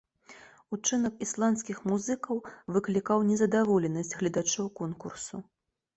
Учынак ісландскіх музыкаў выклікаў незадаволенасць гледачоў конкурсу.